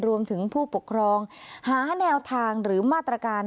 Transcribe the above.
รวมถึงผู้ปกครองหาแนวทางหรือมาตรการ